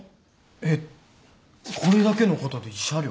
えっこれだけのことで慰謝料？